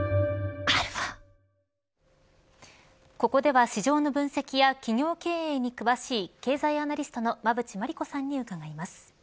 ここでは市場の分析や企業経営に詳しい経済アナリストの馬渕磨理子さんに伺います。